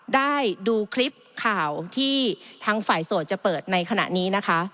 ได้ดูคลิปข่าวที่ทางฝ่ายโสดจะเปิดในขณะนี้นะคะ